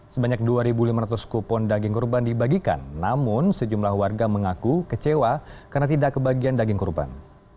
sebanyak dua lima ratus kupon daging kurban dibagikan namun sejumlah warga mengaku kecewa karena tidak kebagian daging kurban